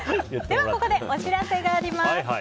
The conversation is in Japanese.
ではここでお知らせがあります。